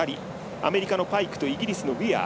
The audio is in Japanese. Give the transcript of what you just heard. アメリカのパイクとイギリスのウィアー。